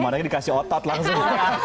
sama anaknya dikasih otot langsung